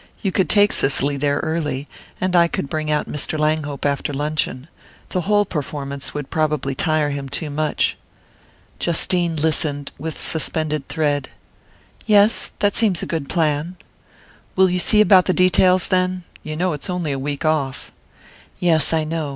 You could take Cicely there early, and I could bring out Mr. Langhope after luncheon. The whole performance would probably tire him too much." Justine listened with suspended thread. "Yes that seems a good plan." "Will you see about the details, then? You know it's only a week off." "Yes, I know."